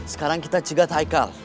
sekarang kita cegat hai kal